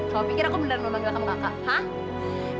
kau pikir aku beneran mau manggil kamu kakak hah